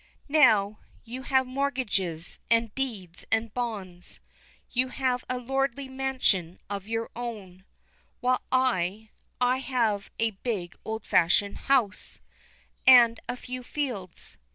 Now, you have mortgages, and deeds, and bonds, You have a lordly mansion of your own, While I I have a big old fashioned house, And a few fields.